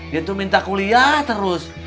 dia tuh minta kuliah terus